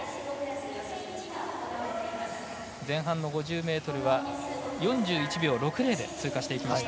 前半の５０ｍは４１秒６０で通過していきました。